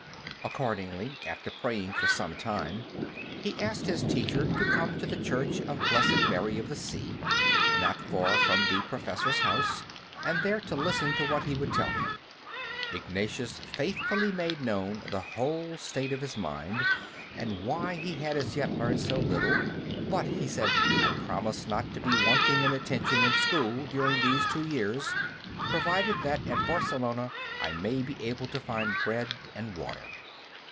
Accordingly, after praying for some time, he asked his teacher to come to the Church of Blessed Mary of the Sea, not far from the professor's house, and there to listen to what he would tell him. Ignatius faithfully made known the whole state of his mind, and why he had as yet learned so little. "But," he said, "I promise not to be wanting in attention in school during these two years, provided that at Barcelona I may be able to find bread and water."